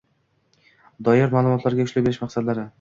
doir ma’lumotlarga ishlov berish maqsadlari